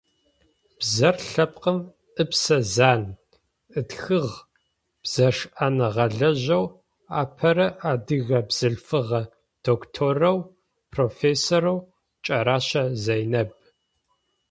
«Бзэр лъэпкъым ыпсэ зан»,- ытхыгъ бзэшӏэныгъэлэжьэу апэрэ адыгэ бзылъфыгъэ докторэу профессорэу Кӏэрэщэ Зэйнаб.